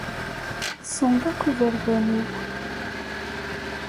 Tessneḍ akk iberdan-iw.